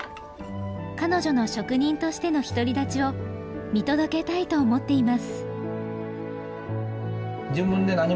彼女の職人としての独り立ちを見届けたいと思っています。